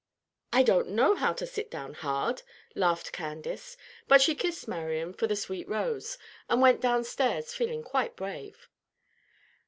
"I don't know how to sit down hard," laughed Candace; but she kissed Marian for the sweet rose, and went downstairs feeling quite brave.